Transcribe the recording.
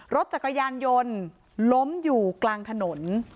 รถจักรยานยนต์ล้มอยู่กลางถนน